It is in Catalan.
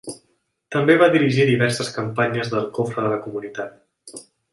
També va dirigir diverses campanyes del cofre de la comunitat.